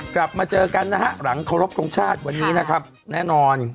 กลับมาเจอกันนะฮะหลังเคารพทงชาติวันนี้นะครับแน่นอน